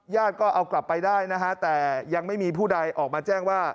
ก็เอากลับไปได้นะฮะแต่ยังไม่มีผู้ใดออกมาแจ้งว่า